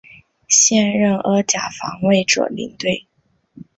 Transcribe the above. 现任阿甲防卫者领队。